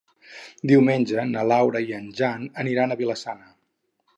Diumenge na Laura i en Jan aniran a Vila-sana.